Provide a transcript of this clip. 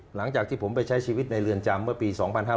หลังจากที่ผมไปใช้ชีวิตในเรือนจำเมื่อปี๒๕๕๙